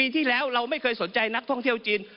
ที่แล้วเราไม่เคยสนใจนักท่องเที่ยวจีน